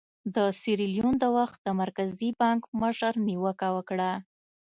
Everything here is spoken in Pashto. د سیریلیون د وخت د مرکزي بانک مشر نیوکه وکړه.